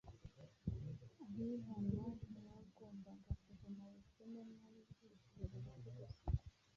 Abihana ntibagombaga kuva mu bakene n’abacishije bugufi gusa,